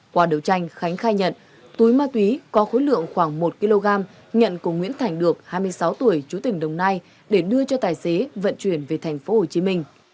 qua đấu tranh khánh khai nhận túi ma túy có khối lượng khoảng một kg nhận của nguyễn thành được hai mươi sáu tuổi chú tỉnh đồng nai để đưa cho tài xế vận chuyển về tp hcm